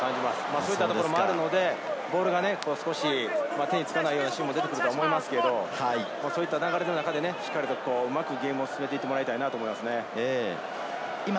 そういったこともあるのでボールが少し手につかないようなシーンもあると思いますけれど、そういった流れの中でうまくゲームを進めていってもらいたいと思いますね。